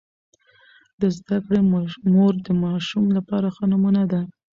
د زده کړې مور د ماشوم لپاره ښه نمونه ده.